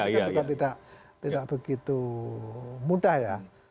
kan juga tidak begitu mudah ya